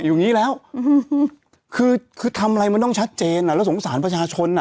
อย่างนี้แล้วคือคือทำอะไรมันต้องชัดเจนอ่ะแล้วสงสารประชาชนอ่ะ